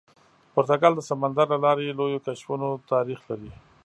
پرتګال د سمندر له لارې لویو کشفونو تاریخ لري.